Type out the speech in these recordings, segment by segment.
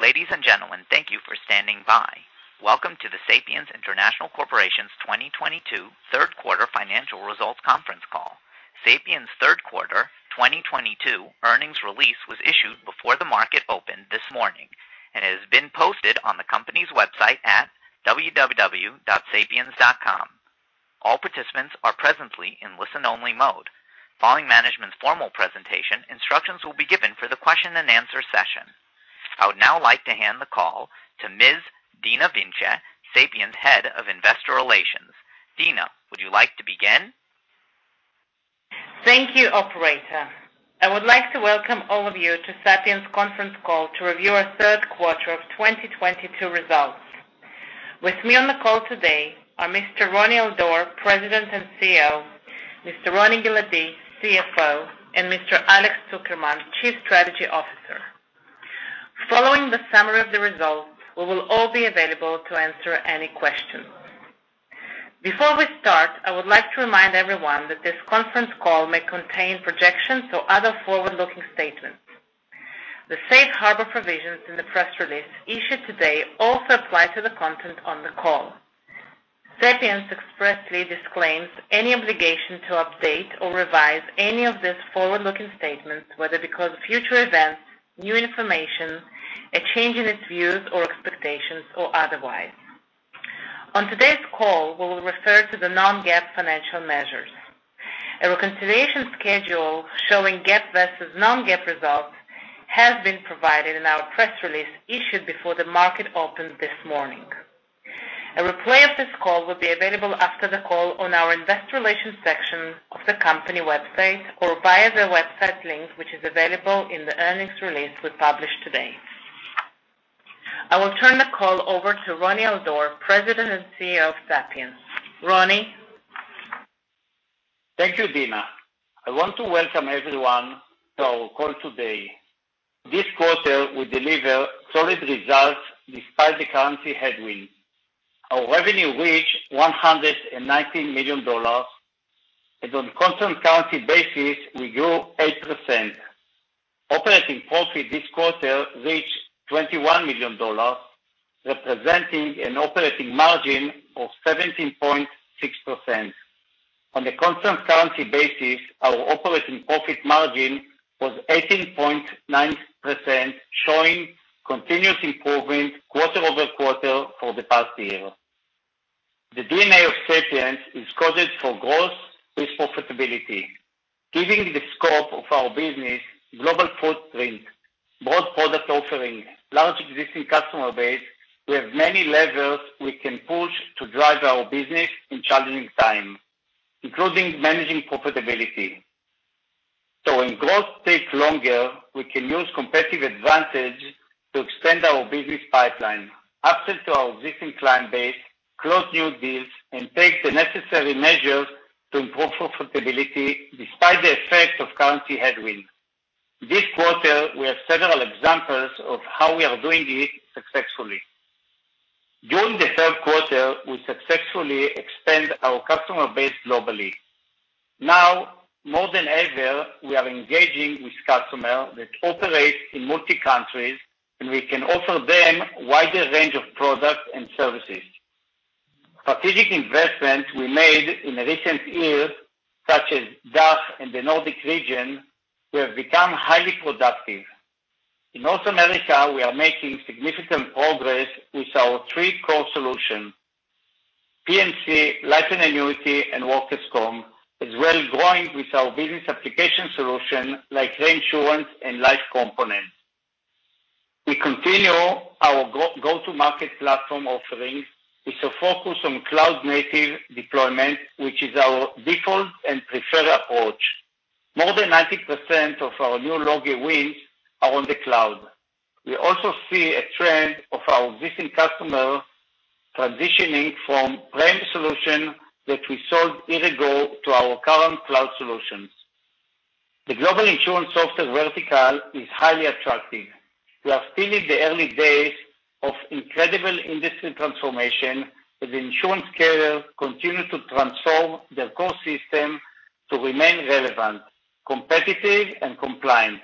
Ladies and gentlemen, thank you for standing by. Welcome to the Sapiens International Corporation's 2022 third quarter financial results conference call. Sapiens third quarter 2022 earnings release was issued before the market opened this morning and has been posted on the company's website at www.sapiens.com. All participants are presently in listen-only mode. Following management's formal presentation, instructions will be given for the question and answer session. I would now like to hand the call to Ms. Dina Vince, Sapiens' Head of Investor Relations. Dina, would you like to begin? Thank you, operator. I would like to welcome all of you to Sapiens conference call to review our third quarter of 2022 results. With me on the call today are Mr. Roni Al-Dor, President and CEO, Mr. Roni Giladi, CFO, and Mr. Alex Zukerman, Chief Strategy Officer. Following the summary of the results, we will all be available to answer any questions. Before we start, I would like to remind everyone that this conference call may contain projections or other forward-looking statements. The safe harbor provisions in the press release issued today also apply to the content on the call. Sapiens expressly disclaims any obligation to update or revise any of these forward-looking statements, whether because of future events, new information, a change in its views or expectations or otherwise. On today's call, we will refer to the non-GAAP financial measures. A reconciliation schedule showing GAAP versus non-GAAP results has been provided in our press release issued before the market opened this morning. A replay of this call will be available after the call on our investor relations section of the company website or via the website link, which is available in the earnings release we published today. I will turn the call over to Roni Al-Dor, President and CEO of Sapiens. Roni. Thank you, Dina. I want to welcome everyone to our call today. This quarter, we deliver solid results despite the currency headwind. Our revenue reached $119 million, and on constant-currency basis, we grew 8%. Operating profit this quarter reached $21 million, representing an operating margin of 17.6%. On the constant-currency basis, our operating profit margin was 18.9%, showing continuous improvement quarter-over-quarter for the past year. The DNA of Sapiens is coded for growth with profitability. Given the scope of our business, global footprint, broad product offering, large existing customer base, we have many levers we can push to drive our business in challenging time, including managing profitability. When growth takes longer, we can use competitive advantage to expand our business pipeline, upsell to our existing client base, close new deals, and take the necessary measures to improve profitability despite the effect of currency headwind. This quarter, we have several examples of how we are doing it successfully. During the third quarter, we successfully expand our customer base globally. Now more than ever, we are engaging with customers that operate in multi-countries, and we can offer them wider range of products and services. Strategic investments we made in the recent years, such as Dutch and the Nordic region, we have become highly productive. In North America, we are making significant progress with our three core solutions, P&C, Life & Annuities, and workers comp, as well growing with our business application solution like reinsurance and life components. We continue our go-to-market platform offerings with a focus on cloud native deployment, which is our default and preferred approach. More than 90% of our new logo wins are on the cloud. We also see a trend of our existing customers transitioning from on-prem solution that we sold years ago to our current cloud solutions. The global insurance software vertical is highly attractive. We are still in the early days of incredible industry transformation, as insurance carriers continue to transform their core system to remain relevant, competitive and compliant.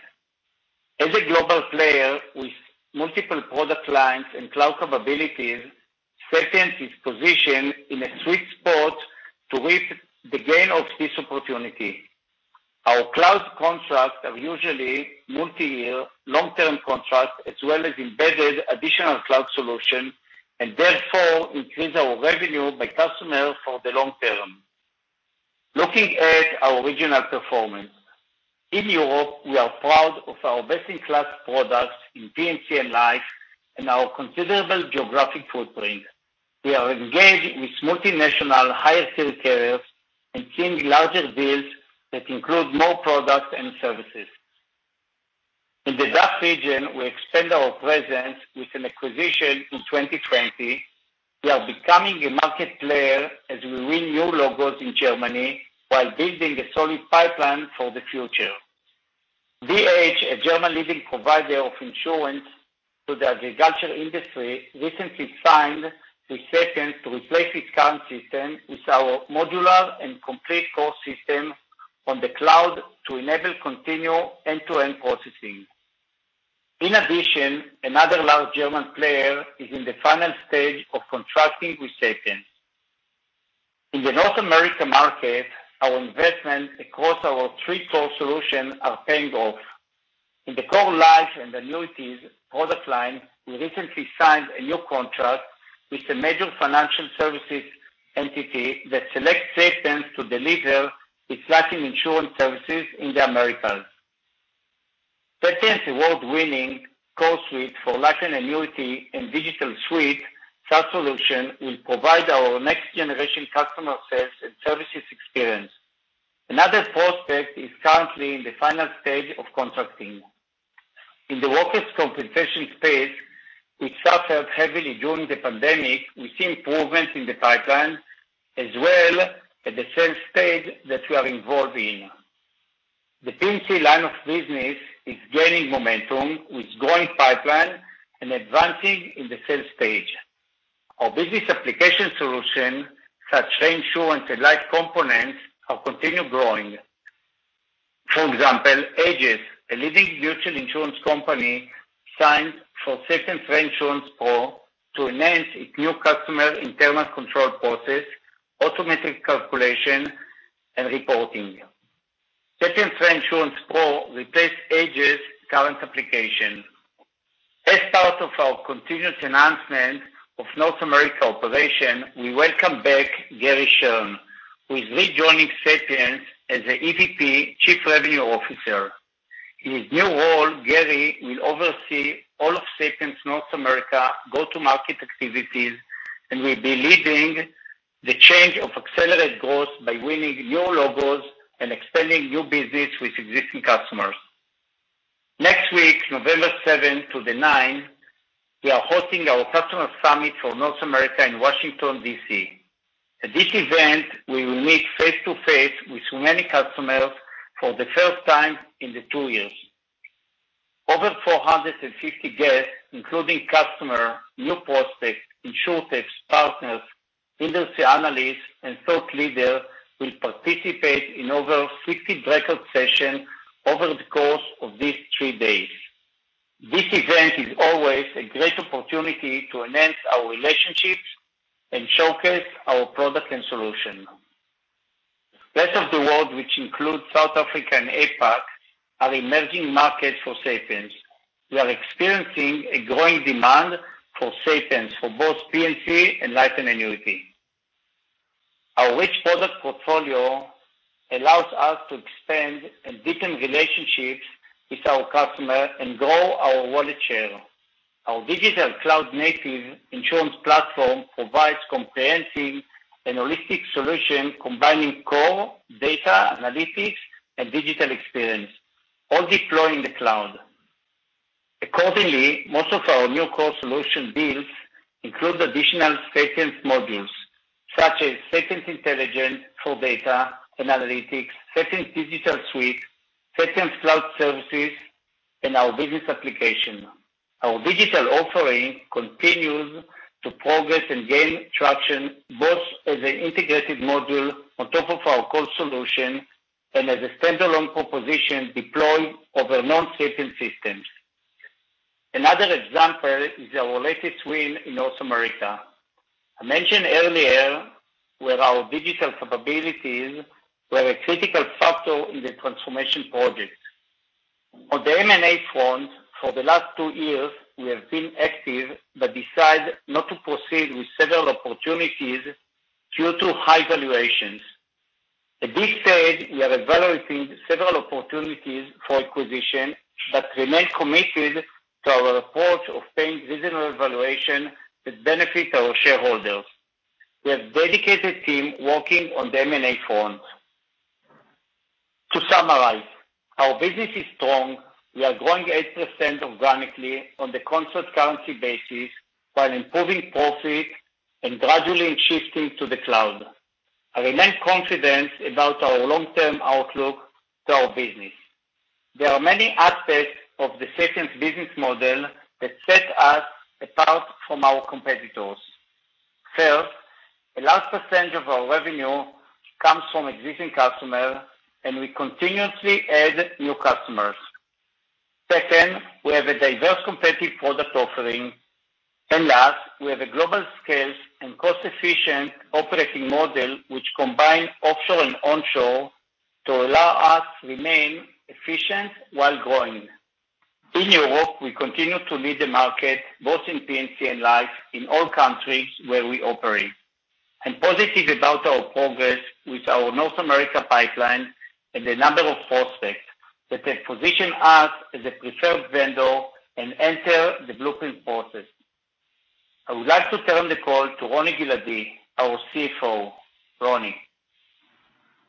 As a global player with multiple product lines and cloud capabilities, Sapiens is positioned in a sweet spot to reap the gain of this opportunity. Our cloud contracts are usually multi-year, long-term contracts, as well as embedded additional cloud solutions, and therefore increase our revenue by customers for the long term. Looking at our regional performance. In Europe, we are proud of our best-in-class products in P&C and life and our considerable geographic footprint. We are engaged with multinational higher sales carriers and seeing larger deals that include more products and services. In the Dutch region, we expand our presence with an acquisition in 2020. We are becoming a market player as we win new logos in Germany while building a solid pipeline for the future. VVaG, a German leading provider of insurance to the agriculture industry, recently signed with Sapiens to replace its current system with our modular and complete core system on the cloud to enable continual end-to-end processing. In addition, another large German player is in the final stage of contracting with Sapiens. In the North America market, our investment across our three core solutions are paying off. In the core life and annuities product line, we recently signed a new contract with a major financial services entity that selects Sapiens to Life & Annuities insurance services in the Americas. Sapiens' award-winning core suite Life & Annuities and DigitalSuite, that solution will provide our next generation customer service and services experience. Another prospect is currently in the final stage of contracting. In the workers' compensation space, which suffered heavily during the pandemic, we see improvements in the pipeline as well as the sales stage that we are involved in. The P&C line of business is gaining momentum with growing pipeline and advancing in the sales stage. Our business application solutions, such as reinsurance and life components, continue growing. For example, AEGIS, a leading mutual insurance company, signed for Sapiens ReinsurancePro to enhance its new customer internal control process, automatic calculation, and reporting. Sapiens ReinsurancePro replaced AEGIS current application. As part of our continuous enhancement of North America operations, we welcome back Gary Sherne, who is rejoining Sapiens as the EVP Chief Revenue Officer. In his new role, Gary will oversee all of Sapiens's North America go-to-market activities and will be leading the charge to accelerate growth by winning new logos and expanding new business with existing customers. Next week, November seventh to the ninth, we are hosting our customer summit for North America in Washington, D.C. At this event, we will meet face-to-face with many customers for the first time in the two years. Over 450 guests, including customers, new prospects, InsurTech partners, industry analysts, and thought leaders, will participate in over 50 breakout sessions over the course of these three days. This event is always a great opportunity to enhance our relationships and showcase our product and solution. Rest of the world, which includes South Africa and APAC, are emerging markets for Sapiens. We are experiencing a growing demand for Sapiens for both P&C and Life & Annuities. Our rich product portfolio allows us to expand and deepen relationships with our customer and grow our wallet share. Our digital cloud-native insurance platform provides comprehensive and holistic solution, combining core data analytics and digital experience, all deployed in the cloud. Accordingly, most of our new core solution deals include additional Sapiens modules, such as Sapiens Intelligence for data and analytics, Sapiens DigitalSuite, Sapiens Cloud Services, and our business application. Our digital offering continues to progress and gain traction, both as an integrated module on top of our core solution and as a standalone proposition deployed over non-Sapiens systems. Another example is our latest win in North America. I mentioned earlier where our digital capabilities were a critical factor in the transformation project. On the M&A front, for the last two years, we have been active, but decide not to proceed with several opportunities due to high valuations. At this stage, we are evaluating several opportunities for acquisition, but remain committed to our approach of paying reasonable valuation that benefit our shareholders. We have dedicated team working on the M&A front. To summarize, our business is strong. We are growing 8% organically on the constant currency basis while improving profit and gradually shifting to the cloud. I remain confident about our long-term outlook to our business. There are many aspects of the Sapiens business model that set us apart from our competitors. First, a large percentage of our revenue comes from existing customer, and we continuously add new customers. Second, we have a diverse competitive product offering. Last, we have a global scale and cost-efficient operating model which combines offshore and onshore to allow us to remain efficient while growing. In Europe, we continue to lead the market, both in P&C and life, in all countries where we operate. I'm positive about our progress with our North America pipeline and the number of prospects that have positioned us as a preferred vendor and enter the blueprint process. I would like to turn the call to Roni Giladi, our CFO. Roni.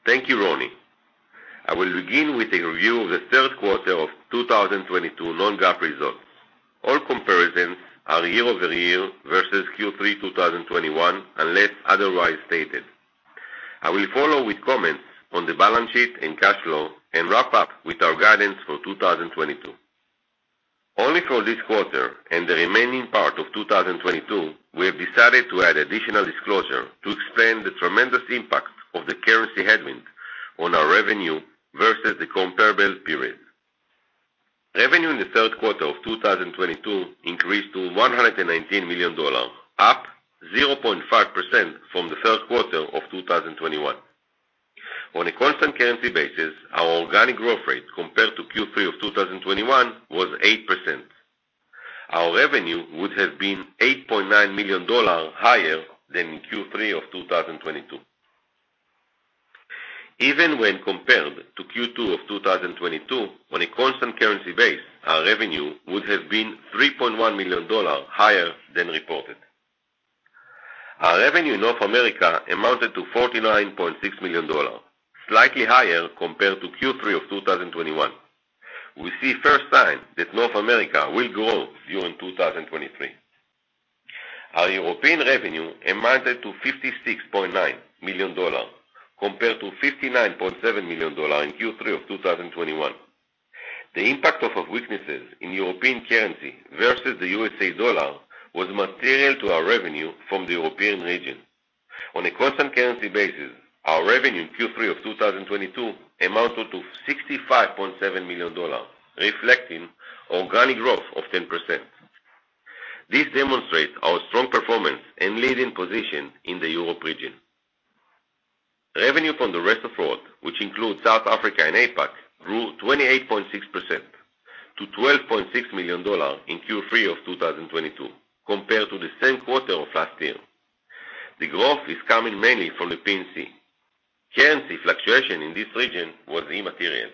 Thank you, Roni. I will begin with a review of the third quarter of 2022 non-GAAP results. All comparisons are year-over-year versus Q3 2021, unless otherwise stated. I will follow with comments on the balance sheet and cash flow and wrap up with our guidance for 2022. Only for this quarter and the remaining part of 2022, we have decided to add additional disclosure to explain the tremendous impact of the currency headwind on our revenue versus the comparable period. Revenue in the third quarter of 2022 increased to $119 million, up 0.5% from the third quarter of 2021. On a constant currency basis, our organic growth rate compared to Q3 of 2021 was 8%. Our revenue would have been $8.9 million higher than in Q3 of 2022. Even when compared to Q2 of 2022, on a constant currency base, our revenue would have been $3.1 million higher than reported. Our revenue in North America amounted to $49.6 million, slightly higher compared to Q3 of 2021. We see for the first time that North America will grow during 2023. Our European revenue amounted to $56.9 million compared to $59.7 million in Q3 of 2021. The impact of our weaknesses in European currency versus the U.S. dollar was material to our revenue from the European region. On a constant currency basis, our revenue in Q3 of 2022 amounted to $65.7 million, reflecting organic growth of 10%. This demonstrates our strong performance and leading position in the Europe region. Revenue from the rest of world, which includes South Africa and APAC, grew 28.6% to $12.6 million in Q3 of 2022 compared to the same quarter of last year. The growth is coming mainly from the P&C. Currency fluctuation in this region was immaterial.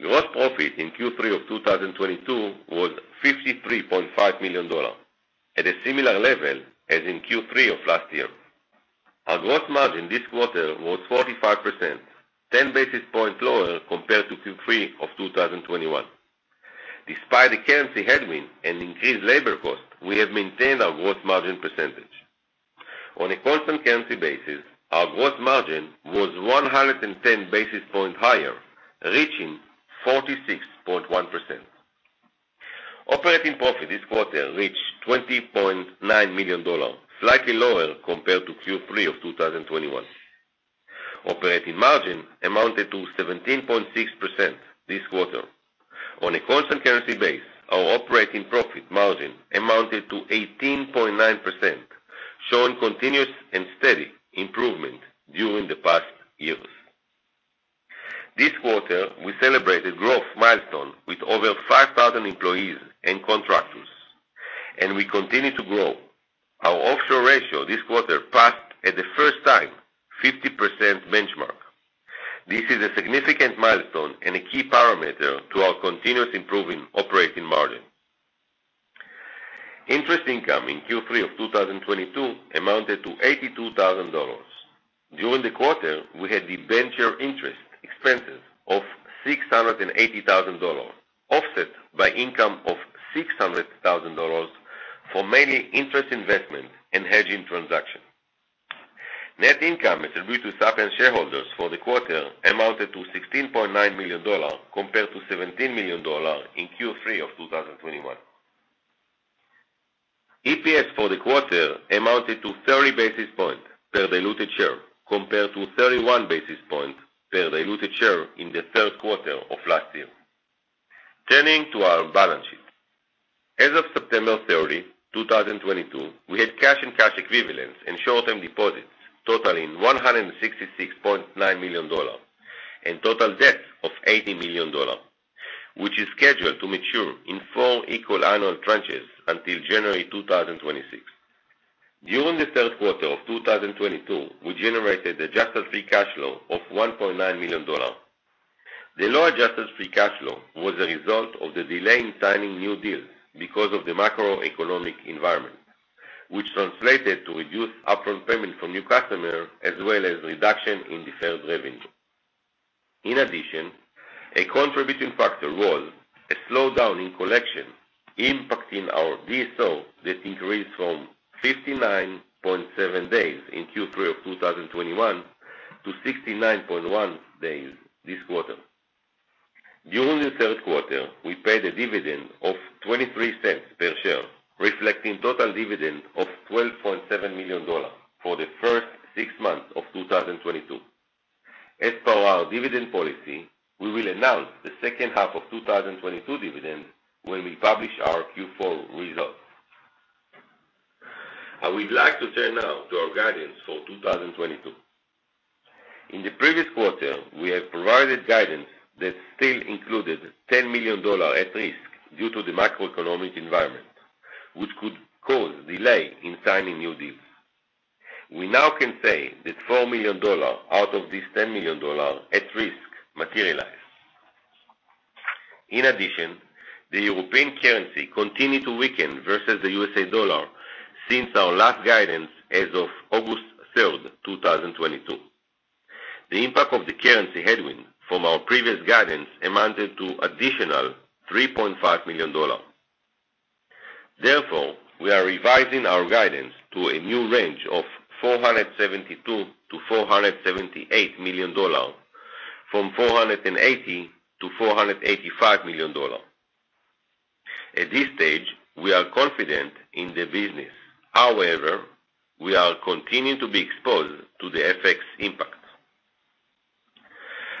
Gross profit in Q3 of 2022 was $53.5 million at a similar level as in Q3 of last year. Our gross margin this quarter was 45%, 10 basis points lower compared to Q3 of 2021. Despite the currency headwind and increased labor cost, we have maintained our gross margin percentage. On a constant currency basis, our gross margin was 110 basis points higher, reaching 46.1%. Operating profit this quarter reached $20.9 million, slightly lower compared to Q3 of 2021. Operating margin amounted to 17.6% this quarter. On a constant currency base, our operating profit margin amounted to 18.9%, showing continuous and steady improvement during the past years. This quarter, we celebrated growth milestone with over 5,000 employees and contractors, and we continue to grow. Our offshore ratio this quarter passed for the first time 50% benchmark. This is a significant milestone and a key parameter to our continuous improving operating margin. Interest income in Q3 of 2022 amounted to $82,000. During the quarter, we had the venture interest expenses of $680,000, offset by income of $600,000 for mainly interest investment and hedging transaction. Net income attributable to Sapiens shareholders for the quarter amounted to $16.9 million compared to $17 million in Q3 of 2021. EPS for the quarter amounted to 30 basis points per diluted share, compared to 31 basis points per diluted share in the third quarter of last year. Turning to our balance sheet. As of September 30, 2022, we had cash and cash equivalents and short-term deposits totaling $166.9 million and total debt of $80 million, which is scheduled to mature in four equal annual tranches until January 2026. During the third quarter of 2022, we generated adjusted free cash flow of $1.9 million. The low adjusted free cash flow was a result of the delay in signing new deals because of the macroeconomic environment, which translated to reduced upfront payment from new customer as well as reduction in deferred revenue. In addition, a contributing factor was a slowdown in collection impacting our DSO that increased from 59.7 days in Q3 of 2021 to 69.1 days this quarter. During the third quarter, we paid a dividend of $0.23 per share, reflecting total dividend of $12.7 million for the first six months of 2022. As per our dividend policy, we will announce the second half of 2022 dividend when we publish our Q4 results. I would like to turn now to our guidance for 2022. In the previous quarter, we have provided guidance that still included $10 million at risk due to the macroeconomic environment, which could cause delay in signing new deals. We now can say that $4 million out of this $10 million at risk materialized. In addition, the European currency continued to weaken versus the US dollar since our last guidance as of August 3rd, 2022. The impact of the currency headwind from our previous guidance amounted to additional $3.5 million. Therefore, we are revising our guidance to a new range of $472 million-$478 million from $480 million-$485 million. At this stage, we are confident in the business. However, we are continuing to be exposed to the FX impact.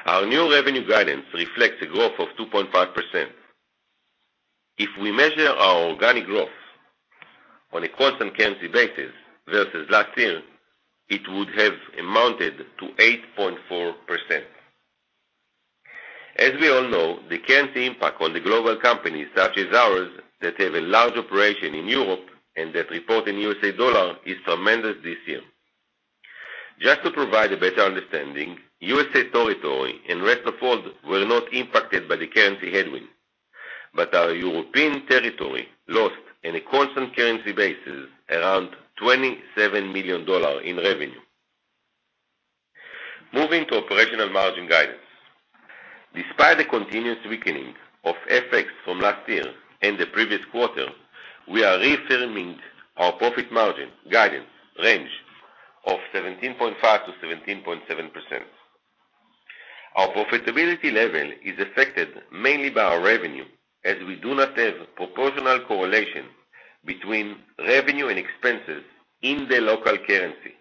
Our new revenue guidance reflects a growth of 2.5%. If we measure our organic growth on a constant currency basis versus last year, it would have amounted to 8.4%. As we all know, the currency impact on the global companies such as ours that have a large operation in Europe and that report in U.S. dollar is tremendous this year. Just to provide a better understanding, U.S. territory and rest of world were not impacted by the currency headwind, but our European territory lost on a constant currency basis around $27 million in revenue. Moving to operational margin guidance. Despite the continuous weakening of FX from last year and the previous quarter, we are reaffirming our profit margin guidance range of 17.5%-17.7%. Our profitability level is affected mainly by our revenue, as we do not have proportional correlation between revenue and expenses in the local currency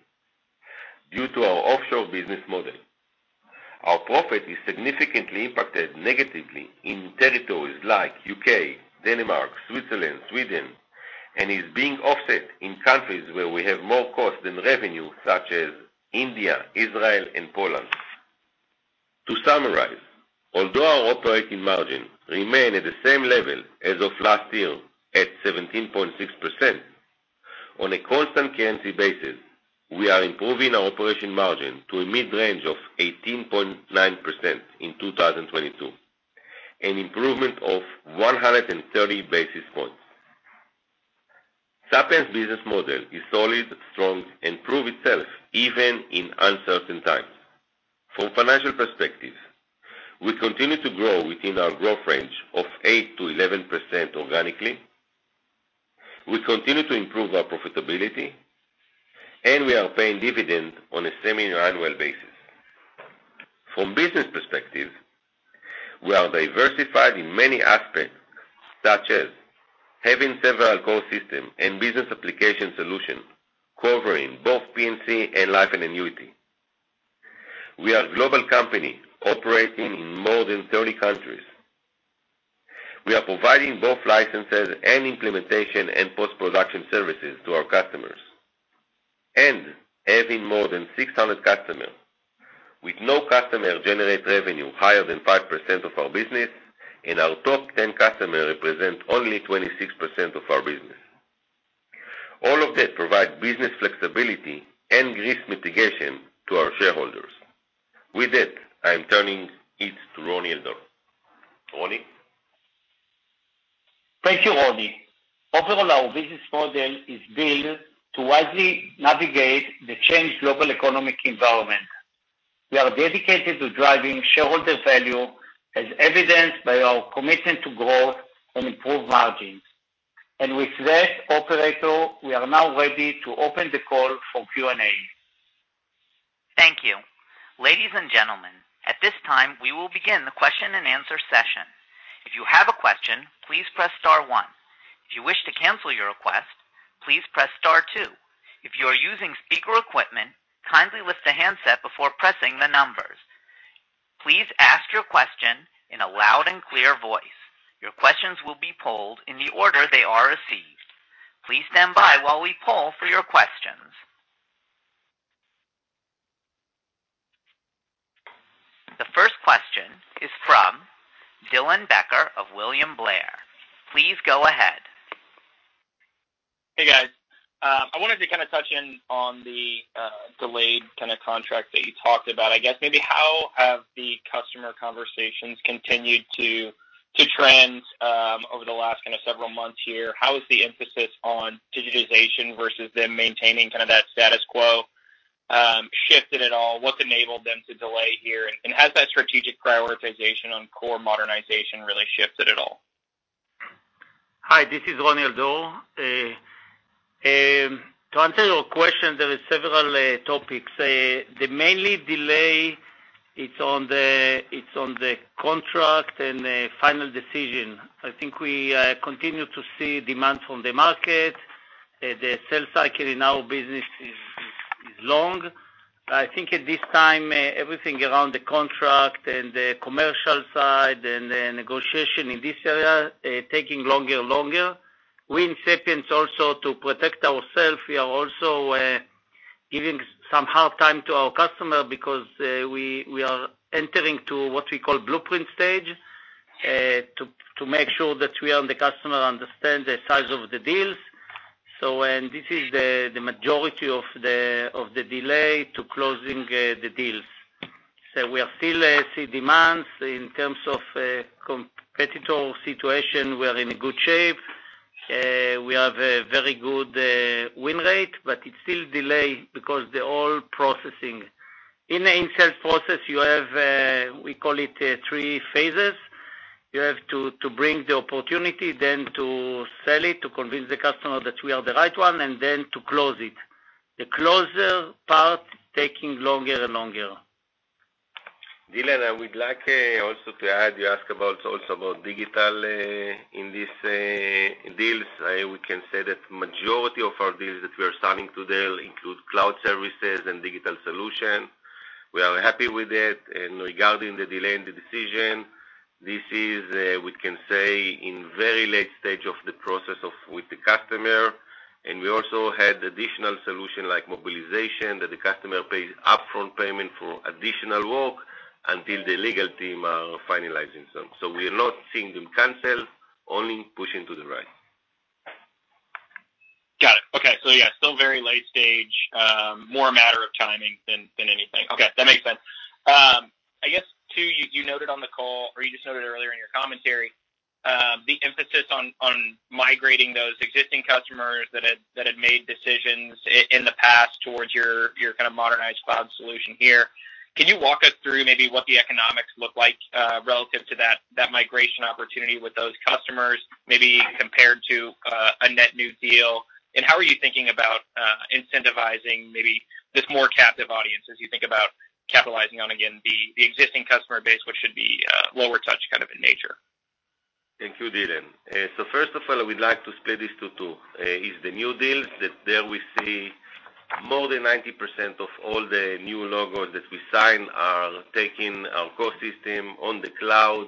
due to our offshore business model. Our profit is significantly impacted negatively in territories like U.K., Denmark, Switzerland, Sweden, and is being offset in countries where we have more cost than revenue, such as India, Israel, and Poland. To summarize, although our operating margin remain at the same level as of last year at 17.6%, on a constant currency basis, we are improving our operating margin to a mid-range of 18.9% in 2022, an improvement of 130 basis points. Sapiens' business model is solid, strong, and prove itself even in uncertain times. From financial perspective, we continue to grow within our growth range of 8%-11% organically. We continue to improve our profitability, and we are paying dividends on a semiannual basis. From business perspective, we are diversified in many aspects, such as having several core system and business application solution covering both P&C and Life & Annuities. We are a global company operating in more than 30 countries. We are providing both licenses and implementation and post-production services to our customers, and having more than 600 customers, with no customer generate revenue higher than 5% of our business, and our top 10 customers represent only 26% of our business. All of that provide business flexibility and risk mitigation to our shareholders. With that, I'm turning it to Roni Al-Dor. Roni? Thank you, Roni. Overall, our business model is built to wisely navigate the changed global economic environment. We are dedicated to driving shareholder value, as evidenced by our commitment to growth and improved margins. With that, operator, we are now ready to open the call for Q&A. Thank you. Ladies and gentlemen, at this time, we will begin the question-and-answer session. If you have a question, please press star one. If you wish to cancel your request, please press star two. If you are using speaker equipment, kindly lift the handset before pressing the numbers. Please ask your question in a loud and clear voice. Your questions will be polled in the order they are received. Please stand by while we poll for your questions. The first question is from Dylan Becker of William Blair. Please go ahead. Hey, guys. I wanted to kind of touch in on the delayed kind of contract that you talked about. I guess maybe how have the customer conversations continued to trend over the last kind of several months here? How is the emphasis on digitization versus them maintaining kind of that status quo shifted at all? What's enabled them to delay here? Has that strategic prioritization on core modernization really shifted at all? Hi, this is Roni Al-Dor. To answer your question, there are several topics. The main delay is on the, it's on the contract and the final decision. I think we continue to see demands from the market. The sales cycle in our business is long. I think at this time, everything around the contract and the commercial side and the negotiation in this area taking longer and longer. We in Sapiens also to protect ourselves, we are also giving some hard time to our customer because we are entering to what we call blueprint stage to make sure that we and the customer understand the size of the deals. When this is the majority of the delay to closing the deals. We are still see demands. In terms of competitor situation, we are in a good shape. We have a very good win rate, but it's still delayed because they're all processing. In the in-sales process, you have, we call it, three phases. You have to bring the opportunity then to sell it, to convince the customer that we are the right one, and then to close it. The closing part taking longer and longer. Dylan, I would like also to add. You asked also about digital in this deals. We can say that majority of our deals that we are signing today include cloud services and digital solution. We are happy with it. Regarding the delay in the decision, this is we can say in very late stage of the process with the customer, and we also had additional solution like mobilization, that the customer pays upfront payment for additional work until the legal team are finalizing them. We are not seeing them cancel, only pushing to the right. Got it. Okay. Yeah, still very late stage. More a matter of timing than anything. Okay, that makes sense. I guess too, you noted on the call or you just noted earlier in your commentary, the emphasis on migrating those existing customers that had made decisions in the past towards your kind of modernized cloud solution here. Can you walk us through maybe what the economics look like relative to that migration opportunity with those customers, maybe compared to a net new deal? How are you thinking about incentivizing maybe this more captive audience as you think about capitalizing on, again, the existing customer base, which should be lower touch kind of in nature? Thank you, Dylan. First of all, I would like to split this to two. It's the new deals that we see more than 90% of all the new logos that we sign are taking our core system on the cloud,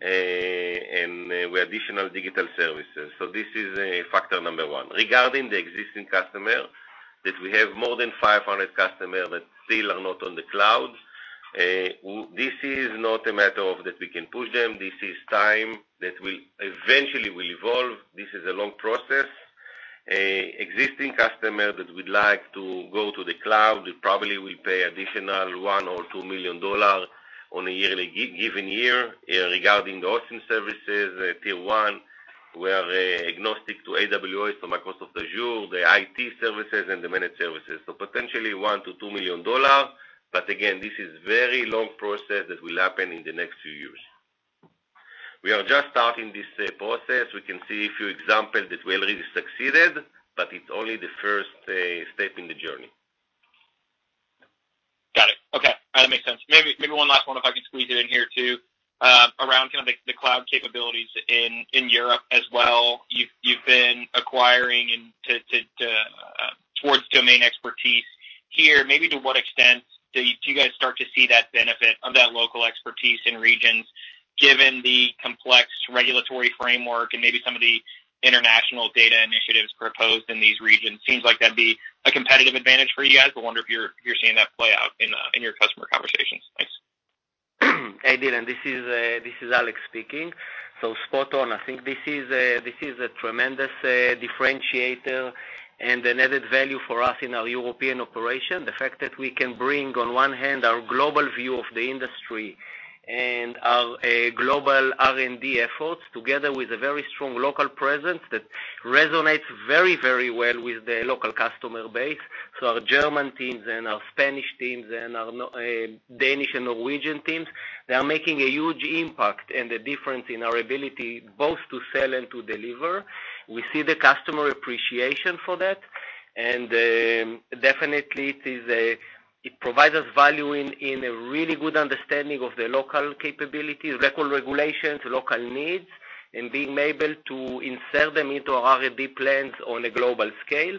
and with additional digital services. This is factor number one. Regarding the existing customer, that we have more than 500 customers that still are not on the cloud. This is not a matter of that we can push them, this is time that will eventually evolve. This is a long process. Existing customer that would like to go to the cloud will probably pay additional $1 million or $2 million in a given year regarding the hosting services, tier one, where they're agnostic to AWS or Microsoft Azure, the IT services and the managed services. Potentially $1 million-$2 million, but again, this is very long process that will happen in the next few years. We are just starting this process. We can see a few examples that we already succeeded, but it's only the first step in the journey. Got it. Okay. That makes sense. Maybe one last one, if I could squeeze it in here, too. Around kind of the cloud capabilities in Europe as well. You've been acquiring and to towards domain expertise here. Maybe to what extent do you guys start to see that benefit of that local expertise in regions, given the complex regulatory framework and maybe some of the international data initiatives proposed in these regions? Seems like that'd be a competitive advantage for you guys, but wonder if you're seeing that play out in your customer conversations. Thanks. Hey, Dylan Becker, this is Alex Zukerman speaking. Spot on. I think this is a tremendous differentiator and an added value for us in our European operation. The fact that we can bring on one hand our global view of the industry and our global R&D efforts together with a very strong local presence that resonates very, very well with the local customer base. Our German teams and our Spanish teams and our Danish and Norwegian teams, they are making a huge impact and the difference in our ability both to sell and to deliver. We see the customer appreciation for that, and definitely it provides us value in a really good understanding of the local capabilities, local regulations, local needs, and being able to insert them into R&D plans on a global scale.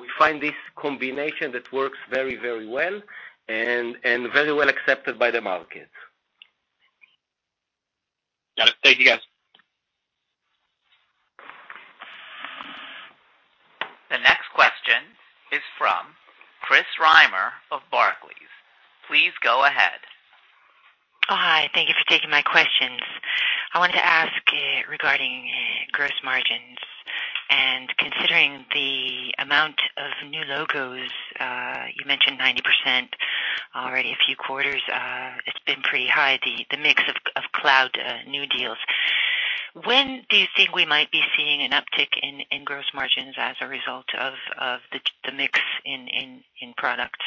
We find this combination that works very, very well and very well accepted by the market. Got it. Thank you, guys. The next question is from Chris Reimer of Barclays. Please go ahead. Hi. Thank you for taking my questions. I wanted to ask regarding gross margins. Considering the amount of new logos you mentioned 90% already a few quarters, it's been pretty high, the mix of cloud new deals. When do you think we might be seeing an uptick in gross margins as a result of the mix in product?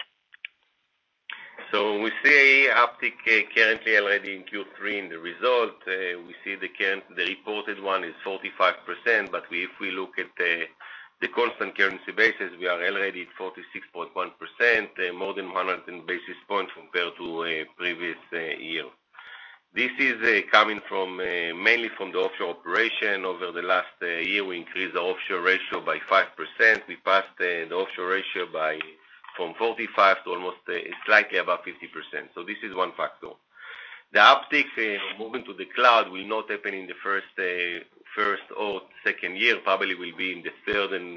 We see uptick currently already in Q3 in the result. We see the reported one is 45%, but if we look at the constant currency basis, we are already at 46.1%, more than 100 basis points compared to previous year. This is coming from mainly from the offshore operation. Over the last year, we increased the offshore ratio by 5%. We passed the offshore ratio by from 45% to almost slightly above 50%. This is one factor. The uptick moving to the cloud will not happen in the first or second year, probably will be in the third and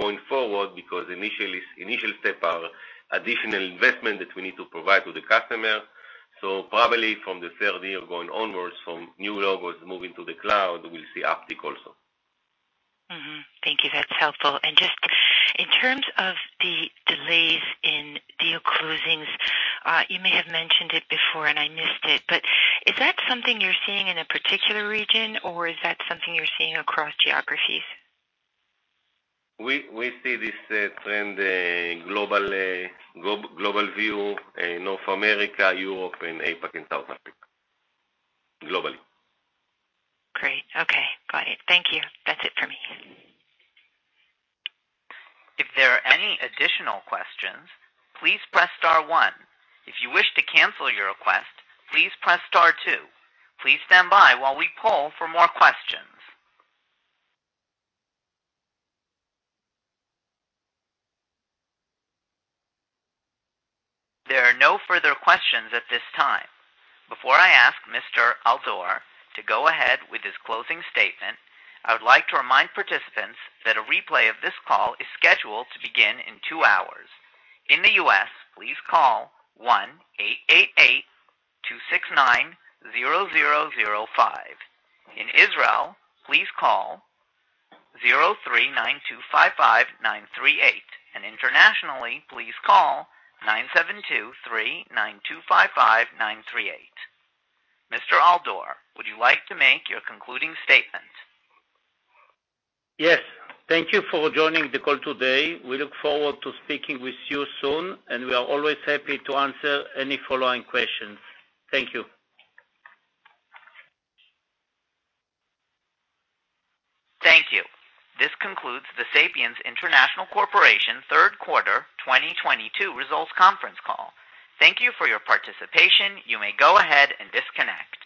going forward because initially initial step are additional investment that we need to provide to the customer. Probably from the third year going onwards, from new logos moving to the cloud, we'll see uptick also. Thank you. That's helpful. Just in terms of the delays in deal closings, you may have mentioned it before and I missed it, but is that something you're seeing in a particular region, or is that something you're seeing across geographies? We see this trend globally. Global view in North America, Europe, and APAC, and South Africa. Globally. Great. Okay. Got it. Thank you. That's it for me. If there are any additional questions, please press star one. If you wish to cancel your request, please press star two. Please stand by while we poll for more questions. There are no further questions at this time. Before I ask Mr. Al-Dor to go ahead with his closing statement, I would like to remind participants that a replay of this call is scheduled to begin in two hours. In the U.S., please call 1-888-269-0005. In Israel, please call 03-925-5938. Internationally, please call 972-3-925-5938. Mr. Al-Dor, would you like to make your concluding statement? Yes. Thank you for joining the call today. We look forward to speaking with you soon, and we are always happy to answer any following questions. Thank you. Thank you. This concludes the Sapiens International Corporation third quarter 2022 results conference call. Thank you for your participation. You may go ahead and disconnect.